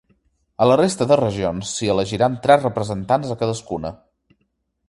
A la resta de regions, s’hi elegiran tres representants a cadascuna.